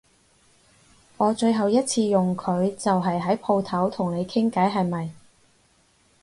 我最後一次用佢就係喺舖頭同你傾偈係咪？